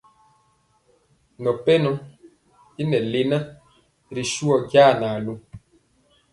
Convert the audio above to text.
Nɔn pɛnɔ i lena ri suhɔ jaa na lu.